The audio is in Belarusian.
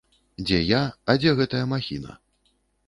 Дзе я, а дзе гэтая махіна.